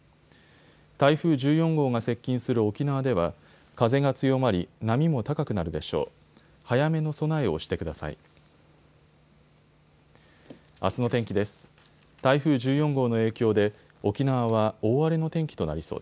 台風１４号が接近する沖縄では風が強まり波も高くなるでしょう。